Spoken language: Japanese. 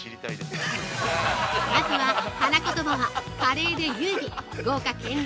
まずは、花言葉は華麗で優美、豪華絢爛！